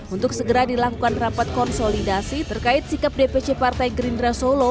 untuk segera dilakukan rapat konsolidasi terkait sikap dpc partai gerindra solo